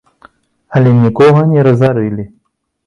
Але нікога не разарылі.